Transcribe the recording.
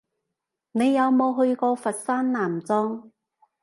你有冇去過佛山南莊？